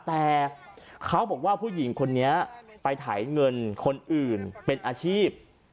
แต่เขาบอกว่าผู้หญิงคนนี้ไปถ่ายเงินคนอื่นเป็นอาชีพ